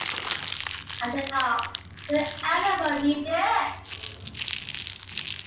And then asked, 'Did anyone read it?